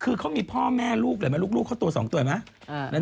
คือเขามีพ่อแม่ลูกลูกเขาตัวสองตัวเหรอไหม